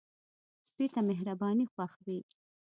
سپي ته مهرباني خوښ وي.